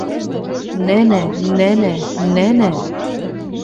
Нӹнӹ, нӹнӹ, нӹнӹ.